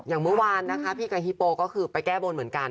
อย่างเมื่อวานนะคะพี่กับฮิโปก็คือไปแก้บนเหมือนกัน